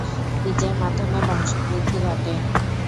বীজের মাধ্যমে বংশবৃদ্ধি ঘটে।